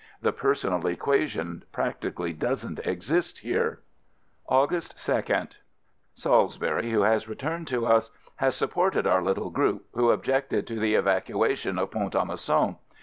The per sonal equation practically does n't exist here. August 2d. Salisbury, who has returned to us, has supported our little group, who objected to the evacuation of Pont a Mousson.